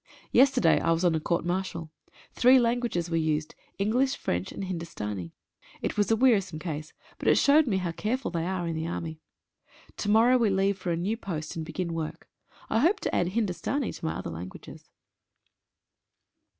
Yesterday I was on a court martial. Three languages were used — English, French, and Hindustani. It was a wearisome case, but it showed me how careful they are in the Army. To morrow we leave for a new post, and begin work. I hope to add Hindustani to my other lan guages.